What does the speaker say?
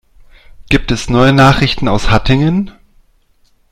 Gibt es neue Nachrichten aus Hattingen?